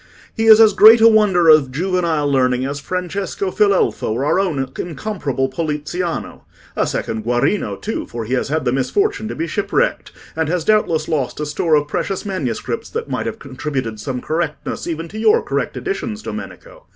"He is as great a wonder of juvenile learning as Francesco Filelfo or our own incomparable Poliziano. A second Guarino, too, for he has had the misfortune to be shipwrecked, and has doubtless lost a store of precious manuscripts that might have contributed some correctness even to your correct editions, Domenico.